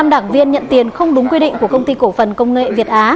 năm đảng viên nhận tiền không đúng quy định của công ty cổ phần công nghệ việt á